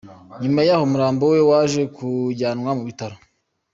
Nyuma yaho umurambo we waje kujyanwa mu bitaro.